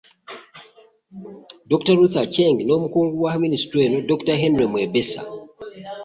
Dokita Ruth Aceng n'omukungu wa Minisitule eno, Dokita Henry Mwebesa